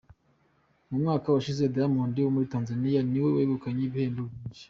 Mu mwaka ushize, Diamond wo muri Tanzania ni we wegukanye ibihembo byinshi.